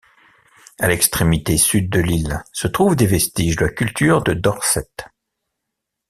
À l'extrémité sud de l'île, se trouvent des vestiges de la culture de Dorset.